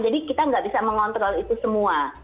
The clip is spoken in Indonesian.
jadi kita nggak bisa mengontrol itu semua